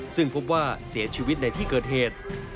ซึ่งพบว่าเสียชีวิตในที่เกิดเหตุ